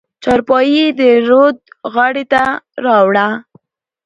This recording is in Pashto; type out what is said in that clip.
چارپايي يې د رود غاړې ته راوړه.